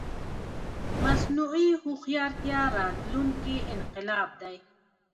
مصنوعي هوښيارتيا راتلونکې انقلاب دی